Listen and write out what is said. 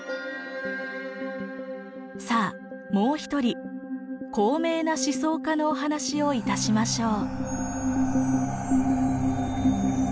さあもう一人高名な思想家のお話をいたしましょう。